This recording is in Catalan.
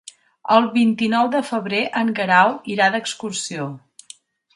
El vint-i-nou de febrer en Guerau irà d'excursió.